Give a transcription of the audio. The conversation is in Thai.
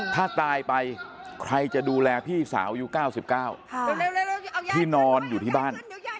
ถ้าตายไปใครจะดูแลพี่สาวอายุ๙๙ที่นอนอยู่ที่บ้าน